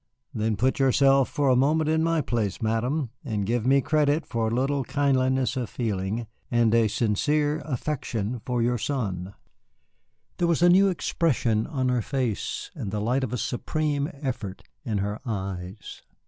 "Then put yourself for a moment in my place, Madame, and give me credit for a little kindliness of feeling, and a sincere affection for your son." There was a new expression on her face, and the light of a supreme effort in her eyes.